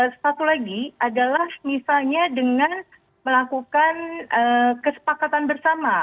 satu lagi adalah misalnya dengan melakukan kesepakatan bersama